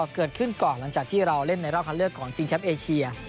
เกิดขึ้นก่อนหลังจากที่เราเล่นในรอบคันเลือกของชิงแชมป์เอเชีย